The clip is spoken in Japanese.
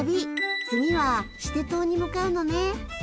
次はシテ島に向かうのね。